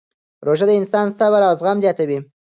روژه د انسان صبر او زغم زیاتوي.